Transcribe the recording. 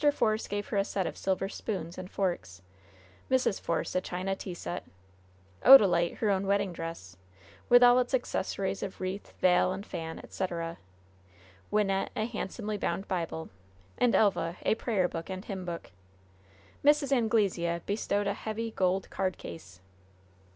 Force gave her a set of silver spoons and forks; Mrs. Force, a china tea set; Odalite, her own wedding dress, with all its accessories of wreath, veil and fan, etcetera; Wynnette, a handsomely bound Bible; and Elva, a prayer book and hymn book. Mrs. Anglesea bestowed a heavy, gold cardcase.